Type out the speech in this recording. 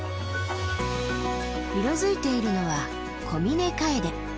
色づいているのはコミネカエデ。